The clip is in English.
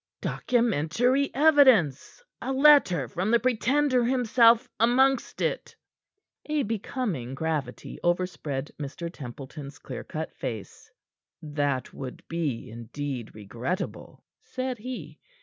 "Documentary evidence. A letter from the Pretender himself amongst it." A becoming gravity overspread Mr. Templeton's clear cut face. "That would be indeed regrettable," said he.